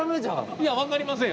いや分かりませんよ。